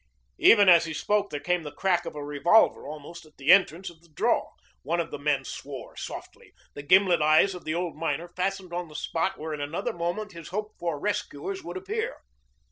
Even as he spoke there came the crack of a revolver almost at the entrance to the draw. One of the men swore softly. The gimlet eyes of the old miner fastened on the spot where in another moment his hoped for rescuers would appear.